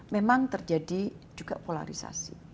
memang terjadi juga polarisasi